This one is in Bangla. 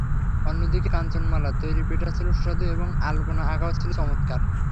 অন্যদিকে, কাঞ্চনমালার তৈরি পিঠা ছিল সুস্বাদু এবং আলপনা আঁকাও ছিল চমৎকার।